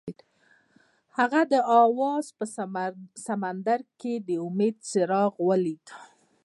هغه د اواز په سمندر کې د امید څراغ ولید.